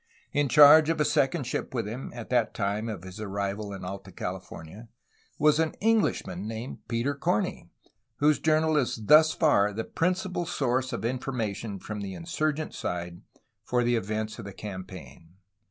In charge of a second ship with him at the time of his arrival in Alta CaUf ornia was an Englishman named Peter Comey, whose journal is thus far the principal source of information from the insurgent side for the events of the campaign.